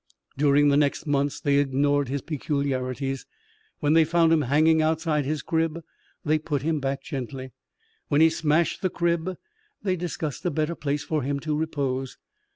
During the next months they ignored his peculiarities. When they found him hanging outside his crib, they put him back gently. When he smashed the crib, they discussed a better place for him to repose.